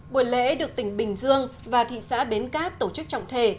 buổi lễ được tỉnh bình dương và thị xã bến cát tổ chức trọng thể